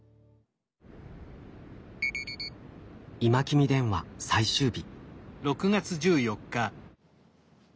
「今君電話」最終日。